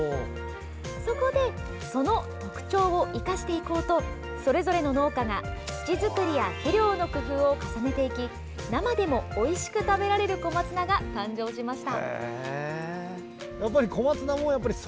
そこでその特徴を生かしていこうとそれぞれの農家が、土作りや肥料の工夫を重ねていき生でもおいしく食べられる小松菜が誕生しました。